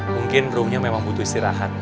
mungkin roomnya memang butuh istirahat